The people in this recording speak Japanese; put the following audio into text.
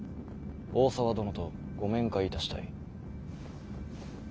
大沢殿とご面会いたしたい。